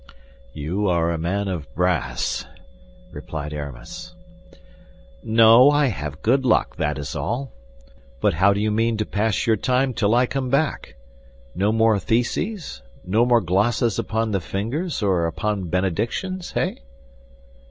"You are a man of brass," replied Aramis. "No, I have good luck, that is all. But how do you mean to pass your time till I come back? No more theses, no more glosses upon the fingers or upon benedictions, hey?"